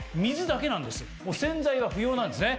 洗剤は不要なんですね。